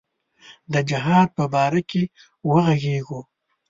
د جهاد په باره کې وږغیږو.